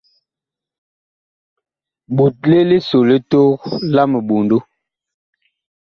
Ɓotle liso li tok la miɓondo.